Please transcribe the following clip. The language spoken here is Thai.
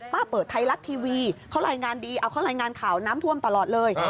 เปิดไทยรัฐทีวีเขารายงานดีเอาเขารายงานข่าวน้ำท่วมตลอดเลย